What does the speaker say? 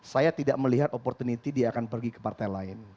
saya tidak melihat opportunity dia akan pergi ke partai lain